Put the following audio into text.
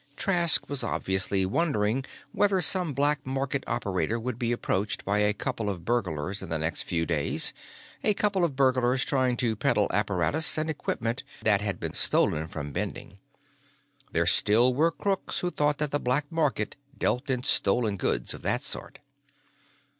Trask was obviously wondering whether some black market operator would be approached by a couple of burglars in the next few days a couple of burglars trying to peddle apparatus and equipment that had been stolen from Bending. There still were crooks who thought that the black market dealt in stolen goods of that sort.